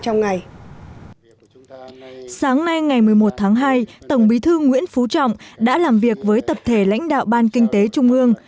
sáng ngày một mươi một tháng hai tổng bí thư nguyễn phú trọng đã làm việc với tập thể lãnh đạo ban kinh tế trung ương